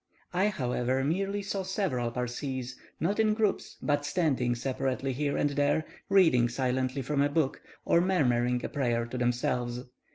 I, however, merely saw several Parsees, not in groups, but standing separately here and there, reading silently from a book, or murmuring a prayer to themselves.